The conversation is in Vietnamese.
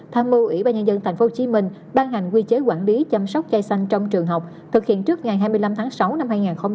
tham mưu ủy ban nhân dân tp hcm ban hành quy chế quản lý chăm sóc cây xanh trong trường học thực hiện trước ngày hai mươi năm tháng sáu năm hai nghìn hai mươi